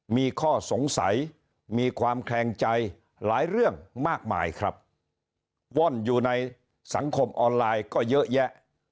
มีข้อสงสัยมีความแคลงใจหลายเรื่องมากมายครับว่อนอยู่ในสังคมออนไลน์ก็เยอะแยะ